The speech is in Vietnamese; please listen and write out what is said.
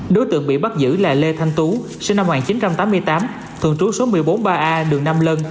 đối tượng bị bắt giữ là lê thanh tú sinh năm một nghìn chín trăm tám mươi tám thường trú số một mươi bốn ba a đường nam lân